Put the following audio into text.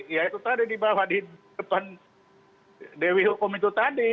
ya itu tadi di bawah di depan dewi hukum itu tadi